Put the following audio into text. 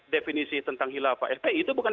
definisi tentang hilafah fpi itu bukan